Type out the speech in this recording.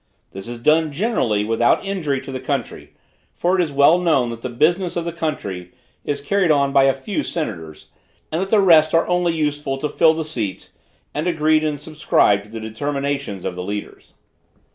This is done, generally, without injury to the country; for it is well known that the business of the country is carried on by a few senators, and that the rest are only useful to fill the seats, and agree and subscribe to the determinations of the leaders.